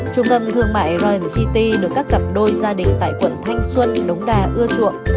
trung tâm thương mại ryan city được các cặp đôi gia đình tại quận thanh xuân đống đa ưa chuộng